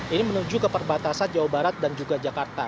ini menuju ke perbatasan jawa barat dan juga jakarta